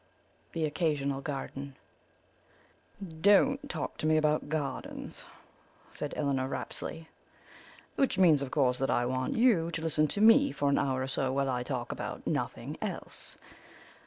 THE OCCASIONAL GARDEN "Don't talk to me about town gardens," said Elinor Rapsley; "which means, of course, that I want you to listen to me for an hour or so while I talk about nothing else.